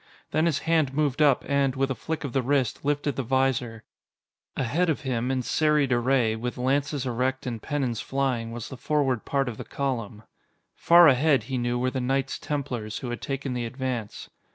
Then his hand moved up and, with a flick of the wrist, lifted the visor. Ahead of him, in serried array, with lances erect and pennons flying, was the forward part of the column. Far ahead, he knew, were the Knights Templars, who had taken the advance.